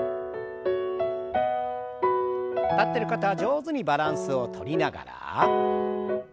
立ってる方は上手にバランスをとりながら。